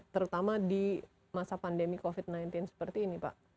terutama di masa pandemi covid sembilan belas seperti ini pak